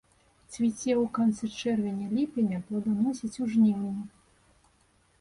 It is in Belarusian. Цвіце ў канцы чэрвеня-ліпені, пладаносіць у жніўні.